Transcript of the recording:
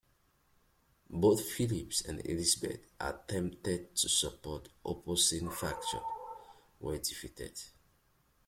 Both Philip's and Elizabeth's attempts to support opposing factions were defeated.